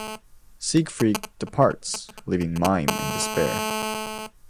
Siegfried departs, leaving Mime in despair.